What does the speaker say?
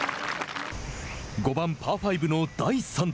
５番パー５の第３打。